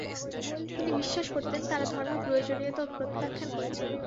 তিনি বিশ্বাস করতেন, তারা ধর্মের প্রয়োজনীয়তা প্রত্যাখ্যান করেছিল।